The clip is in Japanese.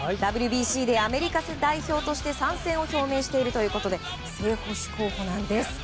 ＷＢＣでアメリカ代表として参戦を公表しているということで正捕手候補なんです。